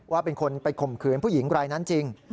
ว่าเป็นคนไปข่มขืนผู้หญิงรายนั้นจริง